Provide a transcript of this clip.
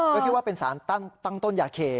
ก็คิดว่าเป็นสารตั้งต้นยาเค